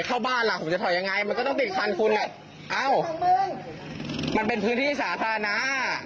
ถ้าบ้านล้างจะก็ติดคันคุณอ้าวมันเป็นพื้นที่สาธารณา